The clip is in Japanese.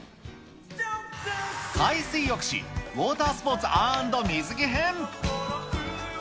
海水浴史、ウォータースポーツ＆水着編。